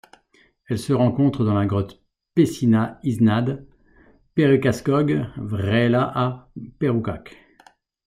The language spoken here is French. Elle se rencontre dans la grotte Pecina iznad Perućačkog vrela à Perućac.